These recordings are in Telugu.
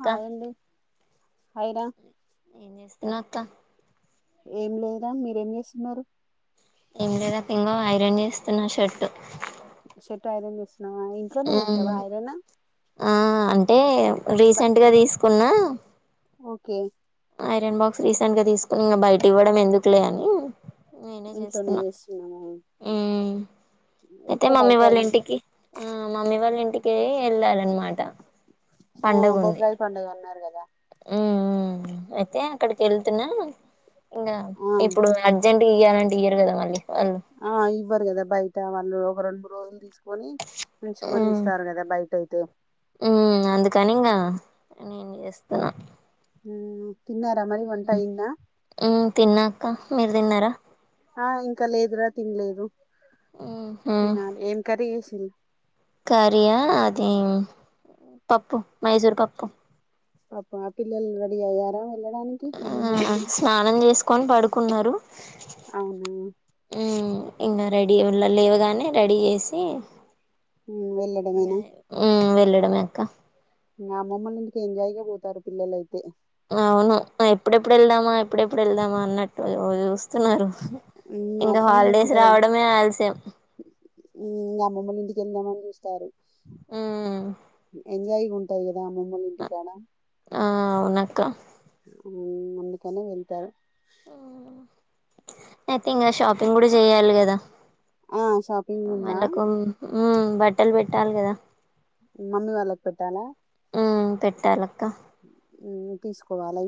హాయ్ అండి హాయ్ రా ఎం చేస్తునావ్ అక్క ఏం లేదా మీరేం చేస్తున్నారు ఏం లేదక ఇంగా ఐరన్ చేస్తున్న షర్టు షర్ట్ ఐరన్ చేస్తున్నావా ఇంట్లోనే చేస్తావా ఐరన్ ఆ అంటే బాయ్ రీసెంట్గా తీసుకున్నా ఓకే ఐరన్ బాక్స్ రీసెంట్ గా తీసుకుని ఇంకా బయట ఇవ్వడం ఎందుకులే అని నేనే ఇంట్లోనే చేస్తున్న చేస్తున్నాము అయితే ఎక్కువ మమ్మీ బయట వాళ్ళ ఇంటికి ఆ మమ్మీ వాళ్ళ ఇంటికి ఎలాలనిమా ఆ బుధ రజ్ పాండగ అన్న క ఉ అయితే అక్కడికి వెళ్తున్నా ఇంకా ఆ ఇప్పుడు అర్జెం ఇయ్యాలండి ఇయ కదా మళ్ళీ వాళ్ళు ఆ ఇవ్వరు కదా బయట వాళ్ళు ఒక రెండు మూడు రోజులు తీసు కొని ఉంచుకొని ఇస్తారు కదా బయట అయితే ఉ అందుకని ఇంగ నేను చేస్త ఉ తిన్నాక్క మీరు తిన్నారా ఆ ఇంకా లేదురా తినలేదు ఊహూ తినాలి ఏం కరీ చేసిళ కర్రీ అది పప్పు మైసూర్ పప్పు పాపం పిల్లల రడీ అయ్యారా వెళ్ళడానికి అమ్మమ్మోళ్ళ ఆ ఇంటికి స్నానం చేసుకొని పడుకున్నారు అవును ఇంకా రెడీ లేవగానే రెడీ చేసి వెళ్ళడమేనా పలడమే అక్క అమ్మమ్మల్ ఇంటికి ఎంజాయ్ గా పోతారు పిల్లలయితే అవును ఎప్పుడెప్పుడు వెళ్దామా ఎప్పుడెప్పుడు వెళ్దామా అన్నట్టు చూస్తున్నారు మ్మ్ ఇంకా అట్లనే హాలిడేస్ రావడమే అల్సయం ఉ అమ్మమ్మల్ంటికి వెళ్దామని చూస్తారు మ్మ్ ఎంజాయ్ ఉంటాయి కదా ఆ అమ్మమ్మ ఒళ్ళు ఇంటికాడ ఆ అవునక్కా ఉ అందుకనే వెళ్తారు ఆ అయితే ఇంకా షాపింగ్ కూడా చెయ్యాలి కదా ఆ షాపింగ్ ఉందా ఉ బట్టలు పెట్టాలి కదా మమ్మి వాళ్ళకి పెట్టాలా ఉ పెట్టాలక్క ఉ తీసుకోవాలి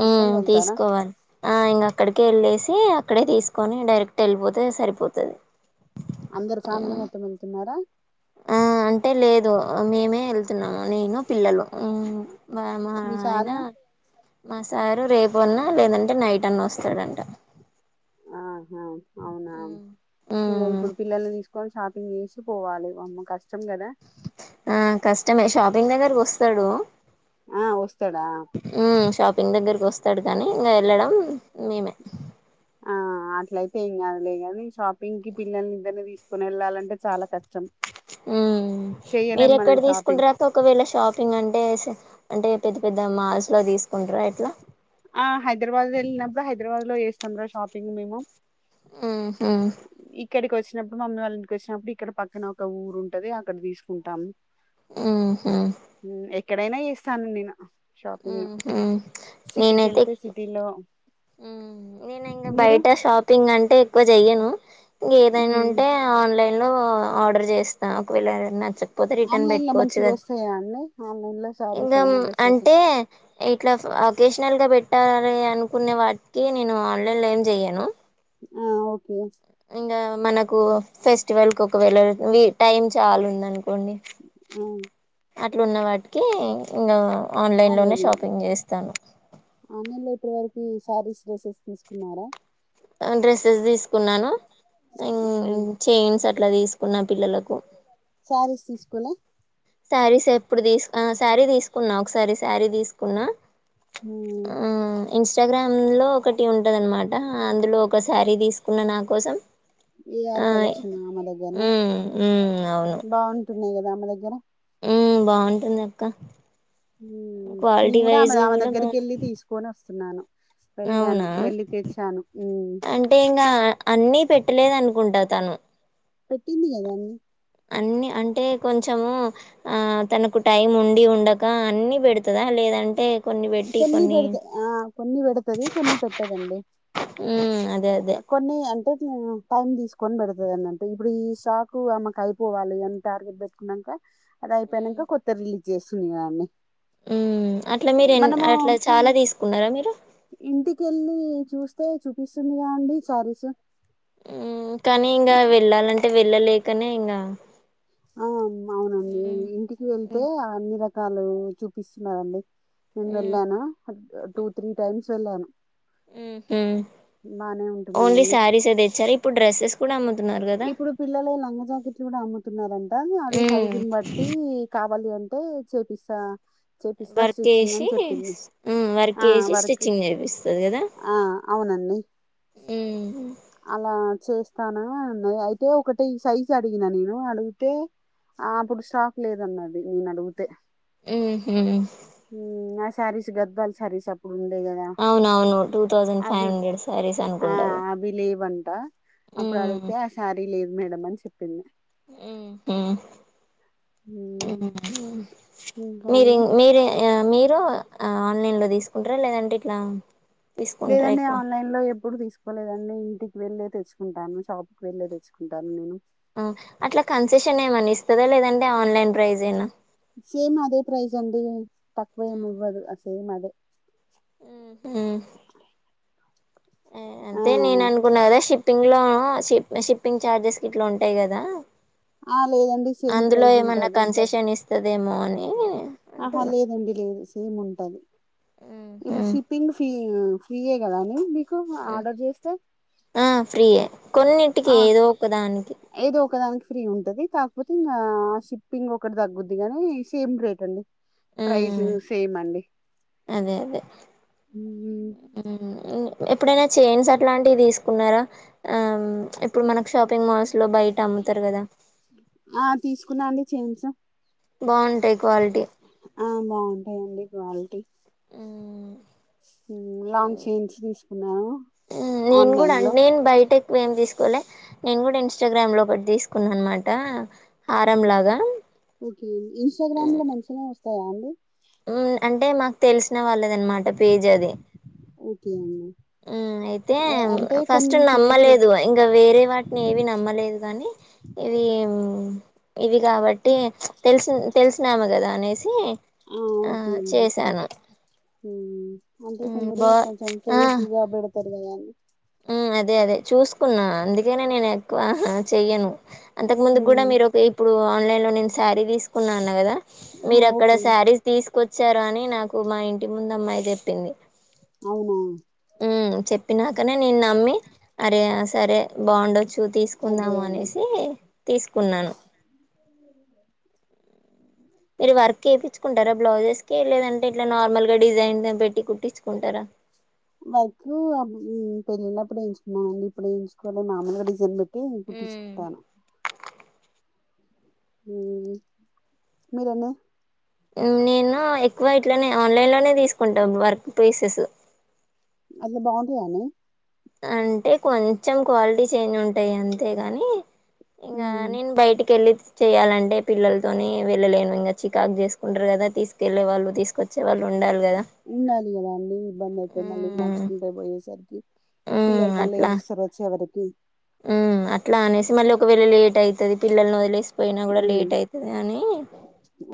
ఉ తీసుకోవాలి ఆ ఇంకా అక్కడికె వెళ్ళేసి అక్కడే తీసుకొని డైరెక్ట్ వెళ్ళిపోతే సరిపోతది అందరు ఫ్యామిలీ మ్మ్ మొత్తం వెళ్తున్నారా ఆ అంటే లేదు మేమే వెళ్తున్నాము నేను పిల్లలు ఉ బా మా మీ సారు ఆయినా మా సారు రేపు అన్నా లేదంటే నైట్ అన్న వస్తాడంట ఆహా అవునా మ్మ్ ఇంకా మ్మ్ ఇప్పుడు పిల్లలు తీసు కోన్ షాపింగ్ చేసి పోవాలి వామ్మో కష్ట ఆ కష్టమే షాపింగ్ దగ్గరకి వస్తాడు ఆ వస్తాడా ఉ షాపింగ్ దగ్గరకి వస్తాడు కానీ ఇంకా వెళ్ళడం మేమే ఆ అట్లయితే ఏం ఏం కాదులే గాని షాపింగ్ కి పిల్లల్ని ఇద్దరిని తీసుకుని వెళ్ళాలంటే చాలా కష్టం ఉ మీర చెయ్యలేం ఎక్కడ మనం షాపింగ్ తీసుకుంట రాక ఒకవేళ షాప్ పింగ్ అంటే అంటే పెద్ద పెద్ద మాల్స్ లో తీసుకుంటారా ఎట్లా ఆ హైదరాబాద్ వెళ్ళినప్పు హైదరాబాద్ లో చేస్తాం రా షాపింగ్ మేము ఉహు ఇక్కడికి వచ్చ వచ్చినప్పుడు మమ్మీ వాళ్ళ ఇంటికి వచ్చినప్పుడు ఇక్కడ పక్కన ఒక ఊరు ఉంటది అక్కడ తీసుకుంటాం ఉహు ఉమ్, ఎక్కడైనా చేస్తాను నేను షాపింగ్ ఉహూ సిటీకి వెళ్తే సిటీలో ఉ నేను ఇంకా మీరు బయట షాపింగ్ అంటే ఎక్కువ చెయ్యను ఇంగ ఏదైనా ఉమ్, ఉంటే ఆన్లైన్ లో ఆర్డర్ చేస్తా ఒకవేళ నచ్చకపోతే రిటర్న్ ఆన్లైన్ లో పెట్టుకోవచ్చు మంచిగా కదా వస్తాయా అండి ఆన్లైన్ లో శారీస్ ఇంకా అయినా డ్రెస్సెస్ అంటే ఇట్లా ఆఫ్ వకేషనల్గా పెట్టాలి అనుకునే వాటికి నేను ఆన్లైన్లో ఏం చెయను ఆ ఓకే ఇంకా మనకు ఫెస్టివల్ కు ఒకవేళ టైమ్ చాలా ఉందను కొండి ఆ, అట్లా ఉన్న వాటికి ఇంకా ఆ ఆన్లైన్ లోనే లేదు లేదు షాపింగ్ అండి చేస్తాను ఆన్లైన్ లో ఇప్పు వరకు శారీస్ డ్రెసెస్ తీసుకున్నారా ఆ డ్రెస్సెస్ తీసుకున్నాను ఇంగ్ మ్మ్ చైన్స్ అట్లా తీసుకు కున్న పిల్లలకు శారీస్ తీసుకొని శారీస్ ఎప్పుడు తీసు శారీ తీసుకున్నా ఒకసారి శారీ తీసుకున్నా ఉ ఇన్స్టాగ్రామ్ లో ఒకటి ఉంటుందనమాట అందులో ఒక శారీ తీసుకున్న నా కోసం వి ఆర్ ఆ కలెక్షన్ ఆమె దగ్గరన ఉమ్ ఉమ్ బాగుంటున్నాయి కదా ఆమె దగ్గర ఉ బాగుంటుంది అక్క మ్మ్ నేను క్వాలిటీ కూడా ఆమె వైజ్ ఆమె కూడా దగ్గరికి బాన్ వెళ్ళి తీసుకొని వస్తున్నాను వెళ్ళాను అవునా వెళ్ళి తెచ్చాను మ్మ్ అంటే ఇంకా అన్నిీ పెట్ పెట్టలేదు అనుకుంటా తను. పెట్టింది కదా అన్నీ. అన్ని అంటే కొంచెము ఆ తనకు టైం ఉండి ఉండక అన్ని పెడుతదా లే లేదంటే కొన్ని ఈ పెట్టి కొన్ని పెడత ఆ కొన్ని పెడతది కొన్ని పెట్టదండి. ఉ అదే అదే ఆ టైమ్ తీసుకొని పెడుతది అన్నట్టు. ఇప్పుడు ఈ స్టాక్ ఆమెకు అయిపోవాలి అని టార్గెట్ పెట్టుకున్నంకా అది అయిపోయినంకా కొత్తది రిలీజ్ చేస్తున్నది అన్ని. ఉ అట్లా మీరు ఎన్ని అట్లా చాలా తీసుకున్నరా మీరు? ఇంటికెళ్ళి చూస్తే చూపిస్తుందిగా అండి సారీస్. హ్ కానీ ఇంగా వెళ్ళాలంటే వెళ్ళలేకనే ఇంగా ఆ అవునండి. ఇంటికి వెళ్తే అన్ని రకాలు చూపిస్తున్నరండి. నేను ఉమ్ వెళ్ళానా టూ త్రీ టైమ్స్ వెళ్ళాను. హుహ్ బానే ఓన్లీ ఉంటున్నాయండి సారీస్సే తెచ్చారా ఇప్పుడు డ్రెస్సెస్ కూడా అమ్ము ఇప్పుడు పిల్లలయి లంగ జాకెట్లు కూడా అమ్ముతున్నరంటా అది ఉమ్ సైజును బట్టీ కా కావాలి అంటే చేపిస్తా. చేపిస్తా వర్క్ స్టిచ్చింగ్ వేసి అని చెప్పింది. ఉమ్ వర్క్ ఆ వేసి వర్క్ స్టిచ్చింగ్ చేపిస్తది కదా ఆ అవునం డి ఉమ్ అలా చేస్తానా అ న్నది అయితే ఒకటి సైజ్ అడిగిన నేను అడిగితే ఆ అప్పుడు స్టాక్ లేదన్నది నేను అడుగుతే. హుహ్ సారీస్ గద్వాల్ సారీస్ అప్ ప్పుడుండే కదా అవునవును టూ థౌజండ్ ఫైవ్ అవి హండ్రెడ్ శారీస్ ఆ అనుకుంటారు అవి లేవంటా అప్పుడు ఉమ్ అడుగుతే ఆ సారీ లేదు మేడం అని చెప్పింది. ఉమ్, ఇంకా మీరి అండి మీరే మీరు దో ఆన్లైన్ లో తీసుకుంటరా లేదంటే ఇట్లా తీసుకుంటారా లేదండి ఎక్కువ ఆన్లైన్ లో ఎప్పుడు తీసు కోలేదండి. ఇంటికి వెళ్ళే తెచ్చుకుంటాను, షాప్కి వెళ్ళే తెచ్చుకుంటాను నేను. అట్లా కన్సెషన్ ఏమన్నా ఇస్తదా లేదంటే ఆన్లైన్ ప్రైసేనా. సేమ్ అదే ప్రైస్ అండి తక్కువేం ఉహు ఇవ్వదు సేమ్ అదే. ఆ అంతే నేను అనుకున్నా కదా షిప్ షిప్పింగ్ లో షి షిప్పింగ్ ఛార్జెస్ గిట్లా ఉంటయి కదా. ఆ, లేదండి సేమ్ అందులో ప్రైజ్ ఏమన్నా ఉంటది కన్సెషన్ ఇస్ ఆహా లేదండి లేదు. సేమ్ ఉంటది. ఇప్పుడు ఉహు షిప్పింగ్ ఫీ ఫ్రీయే కదా అని [inaudible] మీకు ఆర్డర్ చేస్తే ఆ ఫ్రీయే కొన్నింటికి ఆ ఏదో ఒకదానికి. ఏదో ఒకదానికి ఫ్రీ ఉంటది కాకపోతే ఇంగా షిప్పింగ్ ఒకటి తగ్గుద్ది గాని సేమ్ రేట్ అండి. ప్రైస్ ఉమ్ సేమ్ అండి. అదే అదే మ్మ్. హ్ ఎప్పుడైనా చైన్స్ అట్లాంటివి తీసుకున్నరా ఆ ఇప్పుడు మనకు షాపింగ్ మాల్స్ లో బయట అమ్ముతారు కదా ఆ తీసుకున్నా అండి చేయిన్స్. బావుంటయి క్వాలిటీ. ఆ బావుంటయండి క్వాలిటీ. హ్మ్ మ్మ్, లాంగ్ చైన్స్ తీసుకున్నాను నేను కూడా ఆన్లైన్ అం లో నేన్ బయటకి ఎక్కువ ఏం తీసుకోలే నేను కూడా ఇన్స్టాగ్రామ్ లో ఒకటి తీసుకున్నా అనమాట. హారం లాగా ఓకే ఇన్స్టాగ్రామ్ లో మంచిగనే వస్తాయా అండి. అంటే మాకు తెలిసిన వాళ్ళది అనమాట పేజ్ అది. కే [inaudible] ఆ అయితే ఫస్ట్ ఫేక్ నమ్మలేదు ఇంకా వేరే వాటిని ఏవి నమ్మలేదు కానీ ఇవి ఇది కాబట్టి తెలిసిన తెలిసినాము కదా అనేసి ఆ ఓకే అండీ అంటే మ్మ్ కొందరు బా కొంచెం ఆ ఫేక్వగా పెడతారు కదని అదే అదే చూసుకున్నా అందుకనే నేను ఎక్కువ చెయ్యను అంతకు ముందు కూడా ఉమ్, మీరు ఒక ఇప్పుడు ఆన్లైన్ లో నేను శారీ తీసుకున్నాను ఆ, మీ అక్కడీ ఓకే మేక్ శారీస్ తీసు కొచ్చారు అని నాకు మా ఇంటి ముందు అమ్మాయి చెప్పింది అవునా చెప్పినాకనే నేను నమ్మి అరే సరే బాగుండొచ్చు అదే తీసుకుందాము అదే అనేసి తీసుకున్నాను అ మీరు వర్క్ చేయించుకుంటారా బ్లౌజెస్ క లేదంటే ఇట్లా నార్మల్ గా డిజైన్ పెట్టి కుట్టించుకుంటారా వైక్ పెళ్ళిళ్ళప్పుడు ఎయించుకున్నానండి ఇప్పుడుేయించుకోవాలి మామూలుగా డిజైన్ పెట్ తో నేను కుట్టించుకుంటాను మీరనే ఇట్లోనే ఆన్లైన్ లోనే తీసుకుంటాం వర్క్ ప్లేసెస్ అసలు బాగుందియాని అంటే కొంచెం క్వాలిటీ చేంజ్ ఉంటాయి అంతేగాని ఇంగా నన్ బయటికి వెల్ చెయాలంటే పిల్లలతోనే వెళ్ళలేను ఇంకా చికాకు చేసుకుంటారు కదా తీసుకెళ్లే వాళ్ళు తీసుకొచ్చే వాళ్ళు ఉండాలి కదా ఉండాలి కదా అన్నీ ఇబ్బంది అయితే మళ్ళీ ఉమ్ నడుచుకుంటే పోయేసరికి పిల్లలు మళ్ళీ ఏడుస్తారు వచ్చ ఎవరికి ఉ అట్లా అనేసి మళ్ళీ ఒకవేళ లేట్ అవుతది పిల్లల్ని వదిలేసిపోయినా కూడా లేట్ అవుతుది అని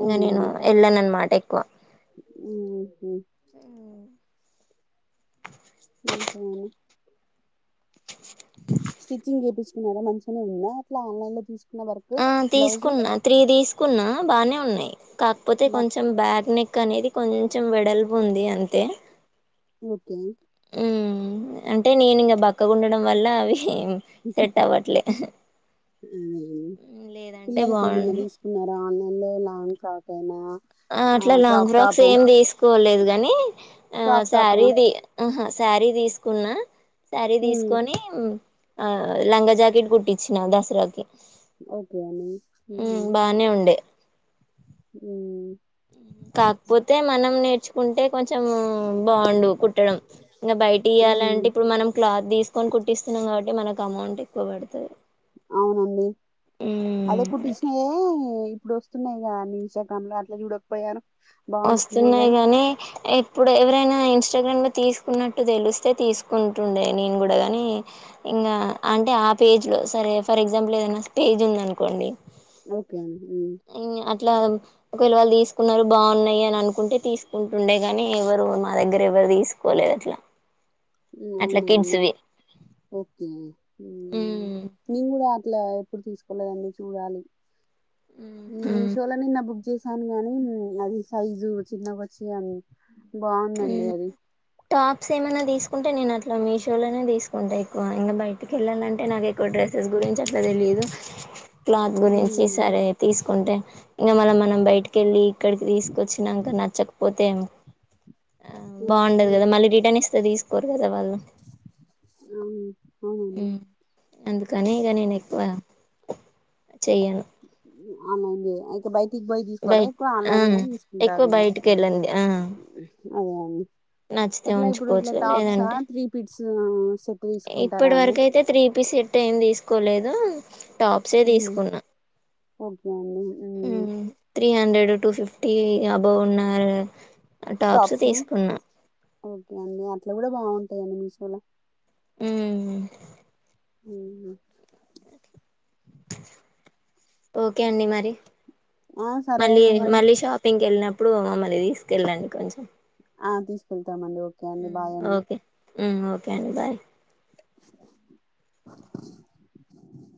ఇకా నేను ఎలా నన్ మాట ఎ ఉ ఉమ్. ఇంకా స్టిచ్చింగ్ చేయిించుకున్నారా మంచిగానే ఉందా అట్లా ఆన్లైన్ లో తీసుకు ఆ తీసుకున్నా త్రీ తీసుకున్నా బానే ఉన్నాయి్ కాకపోతే మా కొంచెం బ్యాగ్ నెక్ అనేది కొంచెం వెడల్పు ఉంది అంతే ఓకే ఉ అంటే నేనుంకా బక్కగుండడం వల్ల అవి సెట్టా వాట్లే అదే పిల్లలకి ఏమన్నా బావుండు. తీసుకున్నారా ఆన్లైన్ లో లాంగ్ ఫ్రాక్ అయినా ఆ అట్లా లాంగ్ క్రాక్ ఫ్రాక్స్ టాపు ఏమి తీసుకోలేదు గాని ఆ క్రాక్ టాపు శారీ శారిీ తీసు తీకున్న శారీ తీసుకొని లంగా జాకెట్ కుట్టించినా దసరాకి ఓకే అని ఉమ్ బానే ఉండే ఉ కాకపోతే మనం నేర్చు కుంటే కొంచెం బాగుండు కుట్టడం ఇంకా బయట ఉమ్, ఇవయాలంటే ఇప్పుడు మనం క్లాత్ తీసుకొని పుట్టిస్తున్నాం కాబట్టి మనకు అమౌంట్ ఎక్కువ పడుతుంది అవునండి అదే కుట్టించినయే ఇప్పుడు వస్తున్నాయి అన్ని ఇస్టాగ్రామ్ లో అట్లా చూడకపోయాను బాగుంటున్నాయి వస్తున్నాయి గాని కాగానీ ఎప్పుడు ఎవరైనా ఇాగకుట్టు తెే తీకుంటండే నేను కూడానీ ఇంగా అంటే ఆ పేజ్ లో సరే ఫర్ ఎగ్జాంపుల్ ఏదైనా పేజ్ ఉంది అనుకోండి ఓకే అండి ఉమ్, అట్లా ఒకవేళ వాళ్ళు తీసు కున్నారు బాగున్నాయి అని అనుకుంటే తీసుకుంటుండే గాని ఎవరు మా దగ్గర ఎవరు తీసుకోలేదు అట్లా అట్లా అవునవును ఓకే ఉ ఇట్లా ఎప్పుడు తీసుకోలేదండి చూడాలి ఉహు మీషోలో ని బుక్ చే స్తాను గానీ అది సైజు చిన్నక వచ్చి బాగుందండి అది టాప్స్ ఏమన్నా తీసుకుంటే నేను అట్లా ఇట్లా మీషోలోనే తీసుకుంటా ఎక్కువ ఇంకా బయటికి వెళ్ళాలంటే నాకు ఎక్కువ డ్రెస్సెస్ గురించి అట్లా తెలియదు క్లాత్ గురించి సరే తీసుకుంటే ఇంక మళ్ళీ మనం బయటికి వెళ్ళి ఇక్కడికి తీసుకొచ్చినాక నచ్చకపోతే ఆ బాగుండదు అవునండి కదా మళ్ళీ రిటర్న్ ఇస్తేంది తీసుకోరు కదా వాళ్ళు అవును అవునండి అందుకని ఇక నేను ఎక్కువ చెయ్యను అనడి అయితే బయట క్ బయి తీసుకోరా బయట ఎక్ ఆ ఆన్లైన్ లోనే ఎక్కువ తీసుకుంటారు ఇక బయటికి వెళ్ళండి ఆ అవు నచ్చితే అట్లా ఇప్పుడు ఇట్లా ఉంచుకోవచ్చు టాప్సా లేదంటే త్రీ పీట్స్ ఇప్పటి వరకు అయితే త్రీపీ సెట్ ఏం తీసుకోలేదు టాప్సే ఉమ్, తీసుకున్నా ఓకే అండి ఉమ్, three hundred two fifty above ఉన్నారు టాప్స్ ఓకే అండి అట్లా కూడా బాగుంటాయంండి మీషోలో ఉ [inaudible] ఓకే అండి మరి ఆ సరే మళ్ళీ అండి మరి మళ్ళీ షాపింగ్కి వెళ్ళినప్పుడు మమ్మల్ని తీసుకెళ్ళండి కొంచెం తీసుకెళ్తామండి ఓకే అండి మ్మ్. బాయ్ అండి ఓకే ఓకే అండి బాయ్ [unintelligible]